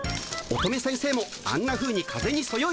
乙女先生もあんなふうに風にそよいで。